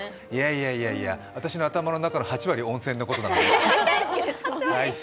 いやいやいや、私の頭の中の８割は温泉のことですから。